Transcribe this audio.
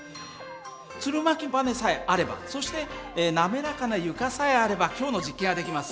つる巻きばねさえあればそして滑らかな床さえあれば今日の実験はできます。